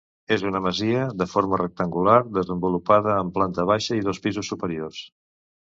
És una masia de forma rectangular desenvolupada en planta baixa i dos pisos superiors.